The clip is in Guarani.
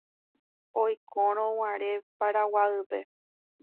Oikórõguare Paraguaýpe